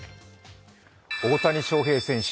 大谷翔平選手